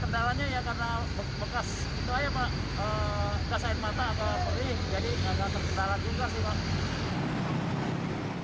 kendalanya ya karena bekas air mata atau perih jadi tidak terkendalai juga sih pak